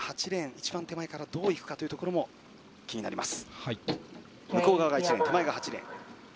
一番手前からどういくかというところも気になります。